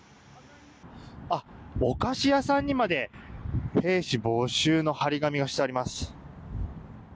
お菓子屋さんにまで兵士募集の貼り紙がしてあります。